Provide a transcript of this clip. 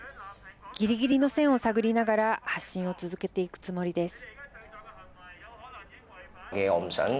ぎりぎりの線を探りながら発信を続けていくつもりです。